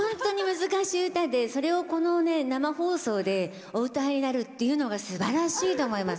それをこの生放送でお歌いになるっていうのがすばらしいと思います。